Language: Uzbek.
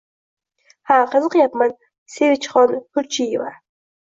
Ha, qiziqayapman, Sevinchixon Pulchieva